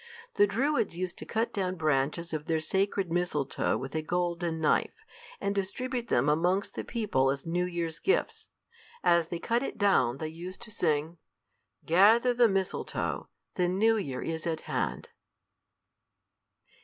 The Druids used to cut down branches of their sacred mistletoe with a golden knife, and distribute them amongst the people as New Year's gifts. As they cut it down they used to sing "Gather the mistletoe, the new year is at hand."